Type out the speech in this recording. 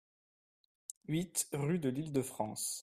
huit rue de L'Île de France